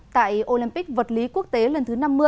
tại olympic vật lý quốc tế lần thứ năm mươi